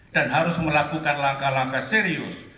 dan harus melakukan langkah langkah serius